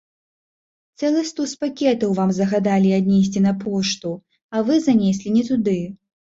Цэлы стус пакетаў вам загадалі аднесці на пошту, а вы занеслі не туды.